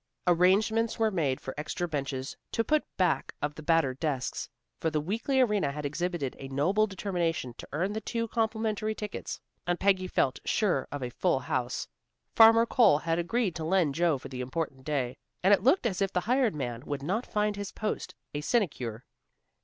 Arrangements were made for extra benches to put back of the battered desks, for the Weekly Arena had exhibited a noble determination to earn the two complimentary tickets, and Peggy felt sure of a full house. Farmer Cole had agreed to lend Joe for the important day, and it looked as if the hired man would not find his post a sinecure.